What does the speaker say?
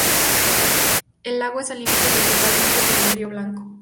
El lago es alimentado principalmente por el río Blanco.